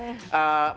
maka begitu pun